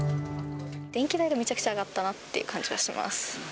電気代がめちゃくちゃ上がったなっていう感じはします。